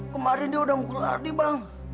kemarin dia udah mukul ardi bang